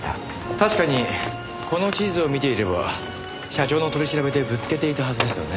確かにこの地図を見ていれば社長の取り調べでぶつけていたはずですよね。